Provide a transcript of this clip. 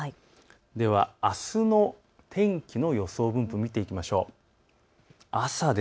では、あすの天気の予想分布を見ていきましょう。